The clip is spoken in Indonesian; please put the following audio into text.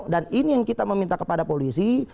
dan ini yang kita meminta kepada polisi